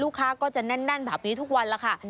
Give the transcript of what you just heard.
ก็จะแน่นแบบนี้ทุกวันแล้วค่ะ